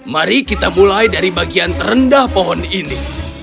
mari kita mulai dari bagian terendah pohon ini